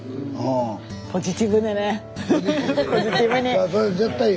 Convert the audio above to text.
ポジティブに！